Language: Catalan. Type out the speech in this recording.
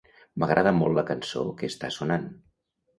M'agrada molt la cançó que està sonant.